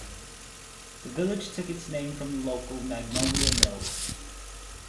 The village took its name from the local Magnolia Mills.